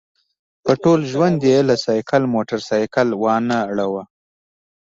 په ټول ژوند یې له سایکل موټرسایکل وانه ړوله.